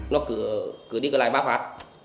nó cứ đi lại bác phát